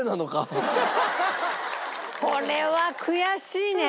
これは悔しいね！